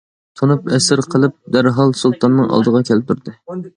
تونۇپ، ئەسىر قىلىپ دەرھال سۇلتاننىڭ ئالدىغا كەلتۈردى.